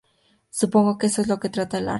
Supongo que eso es lo que trata el arte.